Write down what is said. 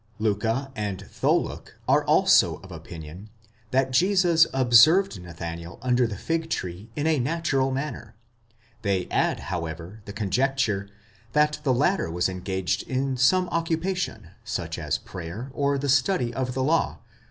Liicke and Tholiick are also of opinion, that Jesus observed Nathanael under the fig tree in a natural manner ; they add, however, the conjecture, that the latter was en gaged in some occupation, such as prayer or the study of the law, which 10'S.